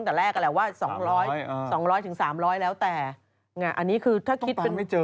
แต่แรกก็แหละว่า๒๐๐๓๐๐บาทแล้วแต่อันนี้คือถ้าคิด